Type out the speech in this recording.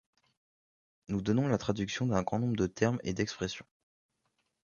Nous donnons la traduction d’un grand nombre de termes et d’expressions.